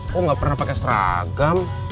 kok nggak pernah pakai seragam